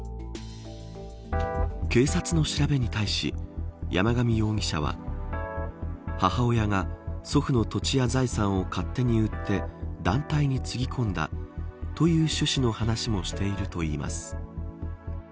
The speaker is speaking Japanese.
警察の調べに対し山上容疑者は母親が祖父の土地や財産を勝手に売って団体につぎ込んだという趣旨の話もしているといいます。